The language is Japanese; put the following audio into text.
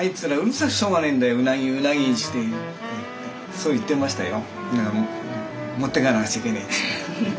そう言ってましたよ。